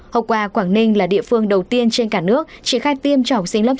hậu quà quảng ninh là địa phương đầu tiên trên cả nước triển khai tiêm cho học sinh lớp sáu